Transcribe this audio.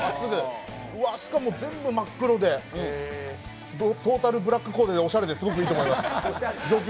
しかも全部真っ黒で、トータルブラックコーデでとてもおしゃれでいいと思います。